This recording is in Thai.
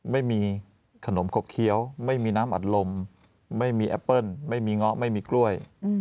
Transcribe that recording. ไม่มีขนมขบเคี้ยวไม่มีน้ำอัดลมไม่มีแอปเปิ้ลไม่มีเงาะไม่มีกล้วย